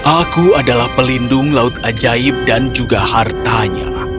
aku adalah pelindung laut ajaib dan juga hartanya